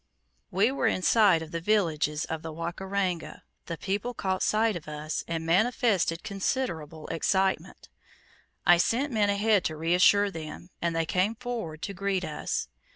We were in sight of the villages of the Wakaranga; the people caught sight of us, and manifested considerable excitement. I sent men ahead to reassure them, and they came forward to greet us.